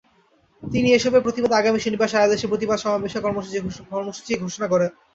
তিনি এসবের প্রতিবাদে আগামী শনিবার সারা দেশে প্রতিবাদ সমাবেশের কর্মসূচি ঘোষণা করেন।